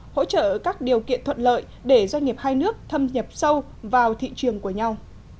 hỗ trợ các điều kiện thuận lợi để doanh nghiệp hai nước thâm nhập sâu vào thị trường của nhau